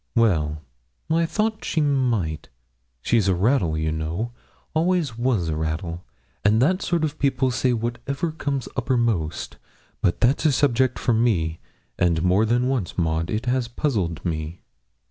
'Well, I thought she might she's a rattle, you know always was a rattle, and that sort of people say whatever comes uppermost. But that's a subject for me, and more than once, Maud, it has puzzled me.'